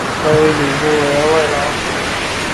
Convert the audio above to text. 召为礼部员外郎。